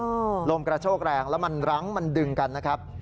ลมกระโชกแรงแล้วมันรั้งมันดึงกันนะครับ